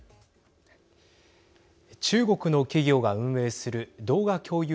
中国の企業が運営する動画共有